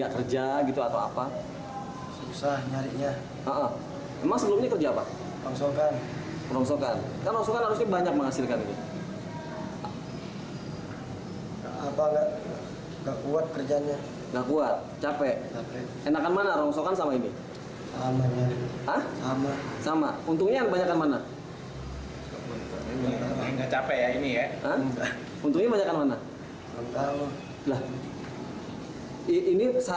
ketika diberikan uang roni berhasil mencari uang yang lebih murah